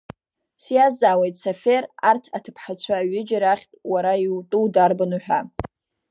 Сиазҵаауеит Сафер, арҭ аҭыԥҳацәа аҩыџьа рахьтә уара иутәу дарбану ҳәа.